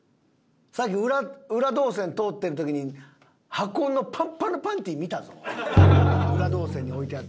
さっき裏動線通ってる時に箱のパンパンのパンティ見たぞ裏動線に置いてある。